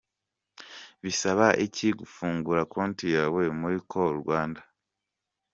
Bisaba iki gfungura konti yawe muri Call Rwanda ?.